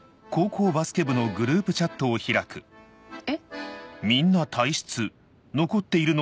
えっ？